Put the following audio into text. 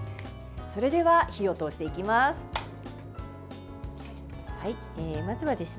それでは火を通していきます。